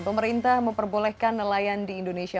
pemerintah memperbolehkan nelayan di indonesia